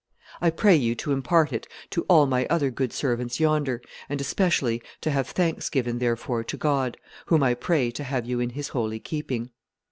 I pray you to impart it to all my other good servants yonder, and, especially, to have thanks given therefor to God, whom I pray to have you in His holy keeping.